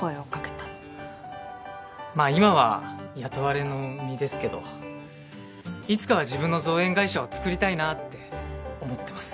まあ今は雇われの身ですけどいつかは自分の造園会社をつくりたいなって思ってます。